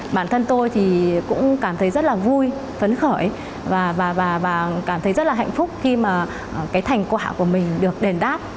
bản thân tôi cũng cảm thấy rất vui phấn khởi và cảm thấy rất hạnh phúc khi thành quả của mình được đền đáp